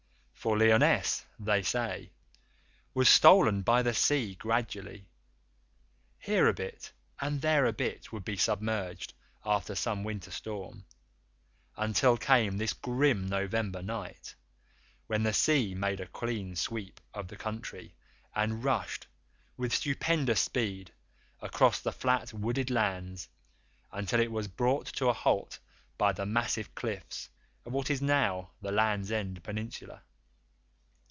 For Lyonesse, they say, was stolen by the sea gradually. Here a bit and there a bit would be submerged after some winter storm, until came this grim November night, when the sea made a clean sweep of the country and rushed, with stupendous speed, across the flat wooded lands until it was brought to a halt by the massive cliffs of what is now the Land's End peninsula.